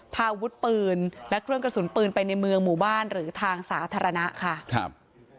พาอาวุธปืนและเครื่องกระสุนปืนไปในเมืองหมู่บ้านหรือทางสาธารณะค่ะครับ